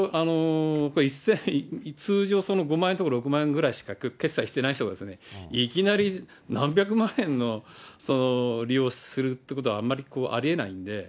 通常５万円とか６万円ぐらいしか決済してない人が、いきなり何百万円の利用するってことはあんまりありえないんで。